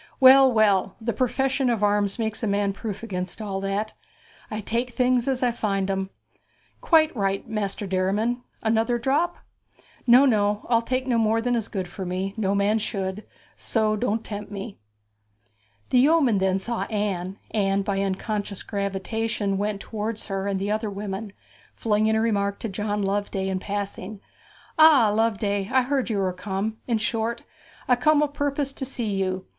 'Well, well, the profession of arms makes a man proof against all that. I take things as I find 'em.' 'Quite right, Master Derriman. Another drop?' 'No, no. I'll take no more than is good for me no man should; so don't tempt me.' The yeoman then saw Anne, and by an unconscious gravitation went towards her and the other women, flinging a remark to John Loveday in passing. 'Ah, Loveday! I heard you were come; in short, I come o' purpose to see you.